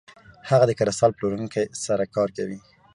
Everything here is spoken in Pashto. هغه د کریستال پلورونکي سره کار کوي.